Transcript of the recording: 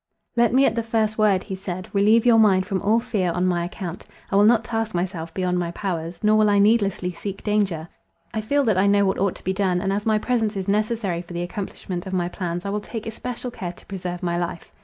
"Let me, at the first word," he said, "relieve your mind from all fear on my account. I will not task myself beyond my powers, nor will I needlessly seek danger. I feel that I know what ought to be done, and as my presence is necessary for the accomplishment of my plans, I will take especial care to preserve my life.